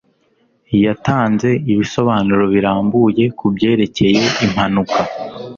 Yatanze ibisobanuro birambuye kubyerekeye impanuka.